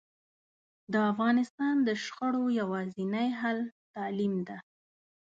د افغانستان د شخړو یواځینی حل تعلیم ده